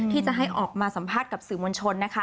ที่จะให้ออกมาสัมภาษณ์กับสื่อมวลชนนะคะ